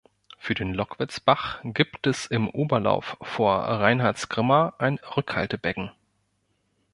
Für den Lockwitzbach gibt es im Oberlauf vor Reinhardtsgrimma ein Rückhaltebecken.